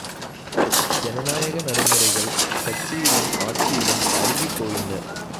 ஜனநாயக நடை முறைகள் கட்சியிலும் ஆட்சியிலும் அருகிப் போயின.